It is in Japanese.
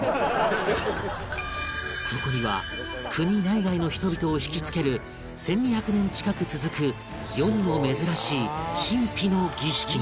そこには国内外の人々を引きつける１２００年近く続く世にも珍しい神秘の儀式が